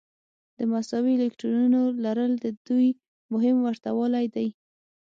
د مساوي الکترونونو لرل د دوی مهم ورته والی دی.